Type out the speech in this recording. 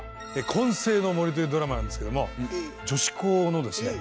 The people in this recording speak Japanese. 「混声の森」というドラマなんですけども女子校のですね